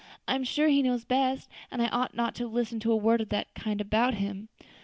I'm sure he knows best, and I ought not to have listened to a word of that kind about him."